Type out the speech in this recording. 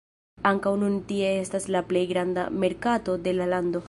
Ankaŭ nun tie estas la plej granda merkato de la lando.